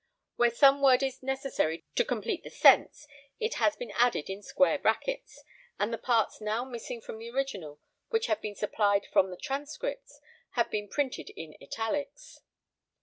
Where some word is necessary to complete the sense it has been added in square brackets [], and the parts now missing from the original, which have been supplied from the transcripts, have been printed in italics.